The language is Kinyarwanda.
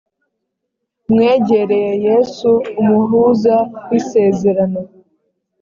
mwegereye yesu umuhuza w ‘isezerano.